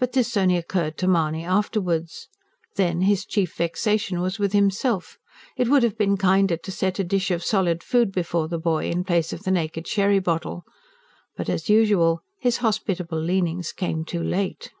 But this only occurred to Mahony afterwards. Then, his chief vexation was with himself: it would have been kinder to set a dish of solid food before the boy, in place of the naked sherry bottle. But as usual, his hospitable leanings came too late.